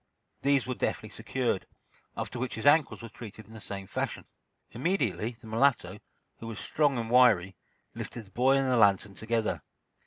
These were deftly secured, after which his ankles were treated in the same fashion. Immediately the mulatto, who was strong and wiry, lifted the boy and the lantern together.